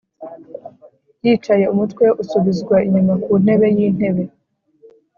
yicaye umutwe usubizwa inyuma ku ntebe yintebe,